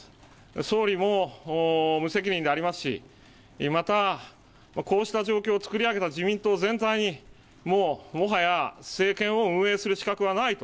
総理も無責任でありますし、また、こうした状況を作り上げた自民党全体に、もうもはや政権を運営する資格はないと。